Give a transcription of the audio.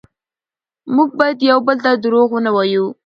موږ باید یو بل ته دروغ ونه وایو